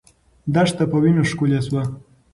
دښته په وینو ښکلې سوه.